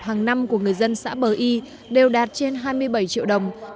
hàng năm của người dân xã bờ y đều đạt trên hai mươi bảy triệu đồng